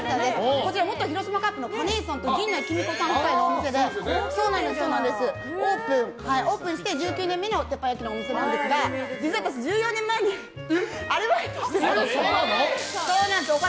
こちら元広島カープのカネイシさんと陣内貴美子さん夫妻のお店でオープンして１９年目の鉄板焼きのお店なんですが私、１０年前にアルバイトしてたんですよ。